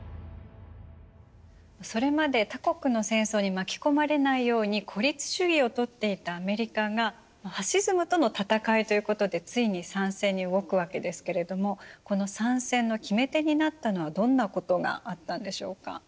それまで他国の戦争に巻き込まれないように孤立主義をとっていたアメリカがファシズムとの戦いということでついに参戦に動くわけですけれどもこの参戦の決め手になったのはどんなことがあったんでしょうか？